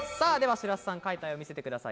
白洲さん、描いた絵を見せてください。